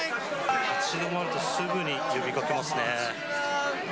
立ち止まると、すぐに呼びかけますね。